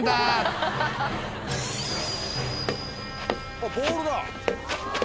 あっボールだ！